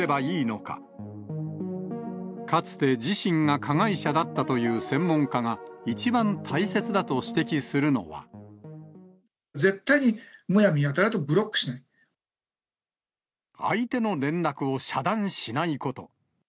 かつて自身が加害者だったという専門家が、一番大切だと指摘する絶対に、相手の連絡を遮断しないこと。